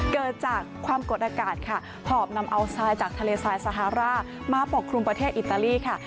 เกิดจากความกดอากาศค่ะหอบนำเอาทรายจากทะเลทรายสฮาร่ามาปกครุมประเทศอิตาลีค่ะ